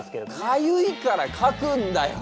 かゆいからかくんだよ。